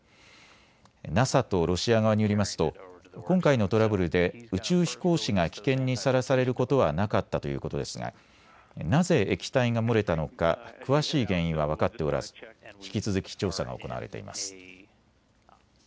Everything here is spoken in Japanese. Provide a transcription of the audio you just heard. ＮＡＳＡとロシア側によりますと今回のトラブルで宇宙飛行士が危険にさらされることはなかったということですが、なぜ液体が漏れたのか詳しい原因は分かっておらず引き続き調査が行われています。